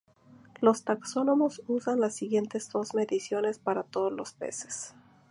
Los taxónomos usan las siguientes dos mediciones para todos los peces.